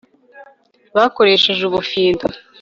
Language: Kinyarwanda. bakoresheje ubufindo